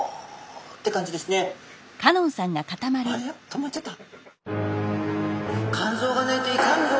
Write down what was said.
止まっちゃった。